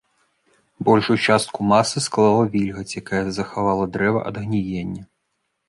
Большую частку масы склала вільгаць, якая захавала дрэва ад гніення.